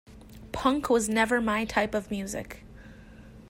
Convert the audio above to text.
Punk was never my type of music.